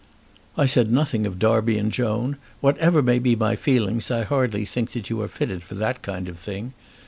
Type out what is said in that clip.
"I said nothing of Darby and Joan. Whatever may be my feelings I hardly think that you are fitted for that kind of thing.